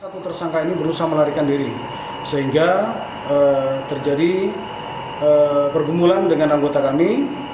pelaku berusaha menarikan diri sehingga terjadi pergumulan dengan anggota kami